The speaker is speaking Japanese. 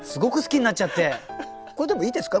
これでもいいですか？